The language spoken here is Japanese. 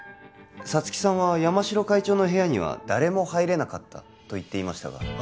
皐月さんは山城会長の部屋には誰も入れなかったと言ってましたあ